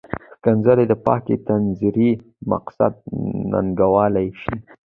ښکنځلې د پاکې نظریې تقدس ننګولی شي.